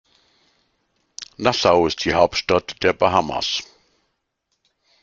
Nassau ist die Hauptstadt der Bahamas.